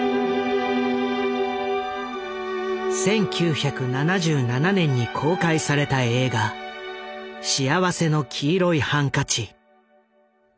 １９７７年に公開された映画「幸福の黄色いハンカチ」。